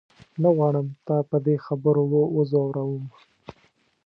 نه غواړم تا په دې خبرو وځوروم.